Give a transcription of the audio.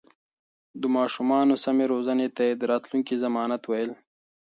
د ماشومانو سمې روزنې ته يې د راتلونکي ضمانت ويل.